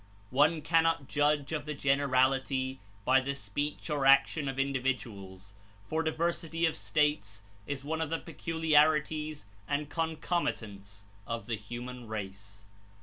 One cannot judge of the generality by the speech or action of in dividuals, for diversity of states is one of the pecu liarities and concomitants of the human race."